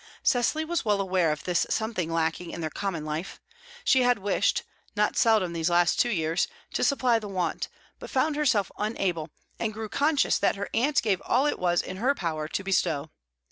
Cecily was well aware of this something lacking in their common life; she had wished, not seldom these last two years, to supply the want, but found herself unable, and grew conscious that her aunt gave all it was in her power to bestow.